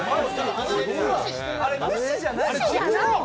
あれ、無視じゃないんです。